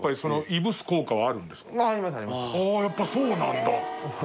ああーやっぱそうなんだ。